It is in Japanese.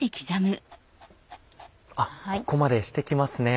あっここまでして来ますね。